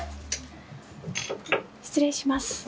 失礼します。